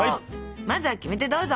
まずはキメテどうぞ！